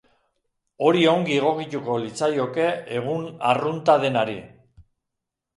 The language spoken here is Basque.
Hori ongi egokituko litzaioke egun arrunta denari.